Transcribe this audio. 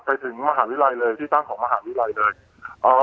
ไปถึงมหาวิทยาลัยเลยที่ตั้งของมหาวิทยาลัยเลยเอ่อ